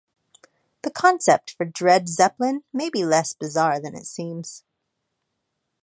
The concept for Dread Zeppelin may be less bizarre than it seems.